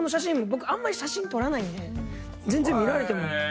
僕あんまり写真撮らないんで全然見られても大丈夫です。